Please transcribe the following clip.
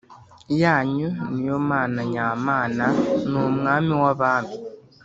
yanyu ni yo Mana nyamana ni umwami w abami